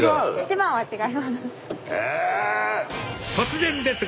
一番は違います。